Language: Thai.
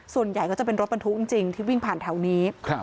ส่วนใหญ่ก็จะเป็นรถบรรทุกจริงที่วิ่งผ่านแถวนี้